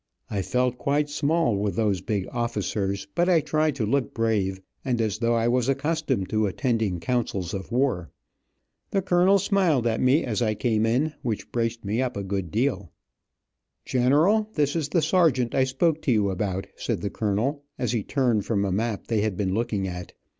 I felt quite small with those big officers, but I tried to look brave, and as though I was accustomed to attending councils of war. The colonel smiled at me as I came in which braced me up a good deal. General, this is the sergeant I spoke to you about, said the colonel, as he turned from a map they had been looking at.